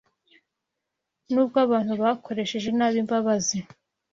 Nubwo abantu bakoresheje nabi imbabazi